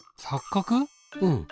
うん。